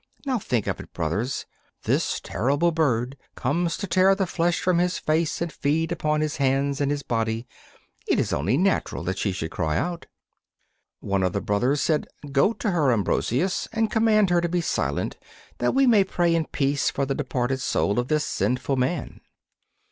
Now think of it, brothers; this terrible bird comes to tear the flesh from his face and feed upon his hands and his body. It is only natural that she should cry out.' One of the brothers said: 'Go to her, Ambrosius, and command her to be silent that we may pray in peace for the departed soul of this sinful man.